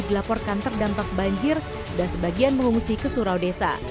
dilaporkan terdampak banjir dan sebagian mengungsi ke surau desa